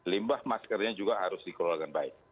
limbah maskernya juga harus dikelolakan baik